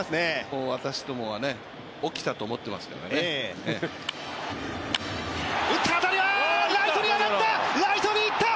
もう私どもはね「起きた」と思ってますからね打った当たりはーライトに上がったライトにいった！